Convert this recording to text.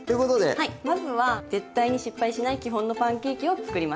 はいまずは絶対に失敗しない基本のパンケーキを作りましょう。